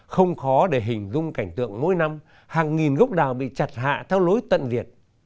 không khó để hình dung cảnh tượng mỗi năm hàng nghìn gốc đào bị chặt hạ theo lối tận diệt